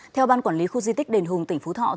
theo ban quản lý khu di tích đền hùng tỉnh phú thọ